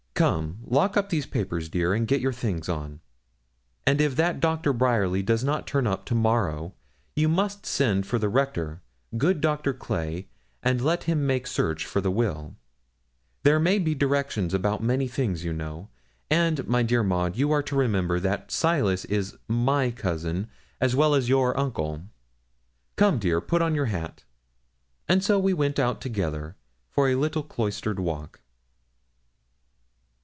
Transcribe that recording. Come, lock up these papers, dear, and get your things on; and if that Dr. Bryerly does not turn up to morrow, you must send for the Rector, good Doctor Clay, and let him make search for the will there may be directions about many things, you know; and, my dear Maud, you are to remember that Silas is my cousin as well as your uncle. Come, dear, put on your hat.' So we went out together for a little cloistered walk.